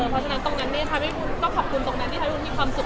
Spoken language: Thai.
เพราะฉะนั้นตรงนั้นก็ขอบคุณตรงนั้นที่ถ้าทุกคนมีความสุข